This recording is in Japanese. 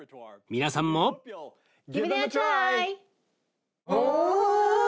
皆さんもお！